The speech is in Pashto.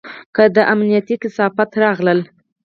که دا امنيتي کثافات راغله.